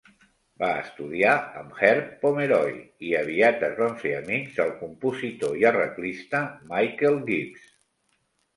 Va estudiar amb Herb Pomeroy i aviat es van fer amics del compositor i arreglista Michael Gibbs.